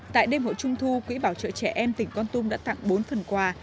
tại đêm hội trung thu quý bà trợ trẻ em tỉnh con tung đã tặng bốn phần quà